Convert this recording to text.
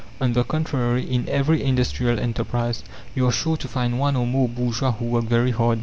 On the contrary, in every industrial enterprise, you are sure to find one or more bourgeois who work very hard.